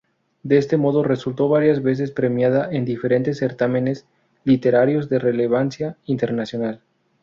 De este modo resultó varias veces premiada en diferentes certámenes literarios de relevancia internacional.